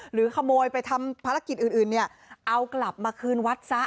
หรือขโมยไปทำภารกิจอื่นเนี่ยเอากลับมาคืนวัดซะ